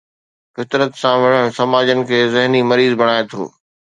فطرت سان وڙهڻ سماجن کي ذهني مريض بڻائي ٿو.